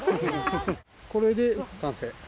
これで完成。